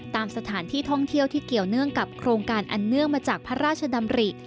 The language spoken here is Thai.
ตามสถานที่ท่องเที่ยวที่เกี่ยวเนื่องกับโครงการอันเนื่องมาจากพระราชดำริ